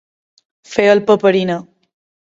Fer el paperina.